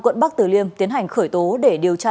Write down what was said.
quận bắc tử liêm tiến hành khởi tố để điều tra